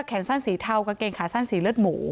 แขนสั้นสีเทากางเกงขาสั้นสีเลือดหมู